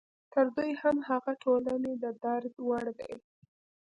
تر دوی هم هغه ټولنې د درد وړ دي.